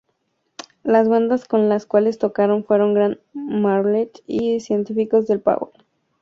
Las bandas con las cuales tocaron fueron Gran Martell y Científicos del Palo.